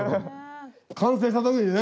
完成した時にね。